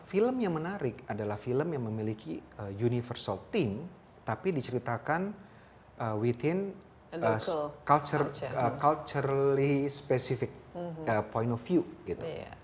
film yang menarik adalah film yang memiliki universal thing tapi diceritakan within culture specific point of view gitu